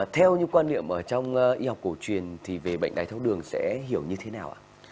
theo những quan niệm ở trong y học cổ truyền thì về bệnh đái tháo đường sẽ hiểu như thế nào ạ